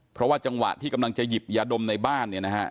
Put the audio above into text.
เพราะว่าจังหวะที่กำลังจะหยิบยาดมในบ้านเนี่ยนะฮะ